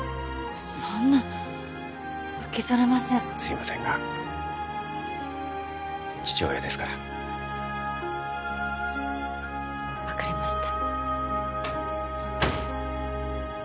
そんな受け取れませんすいませんが父親ですから分かりました